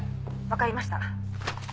「わかりました」